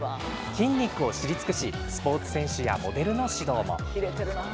筋肉を知り尽くしスポーツ選手やモデルの指導も。